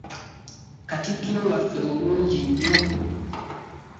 Katikkiro waffe mulungi nnyo.